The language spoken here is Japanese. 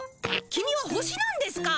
キミは星なんですか。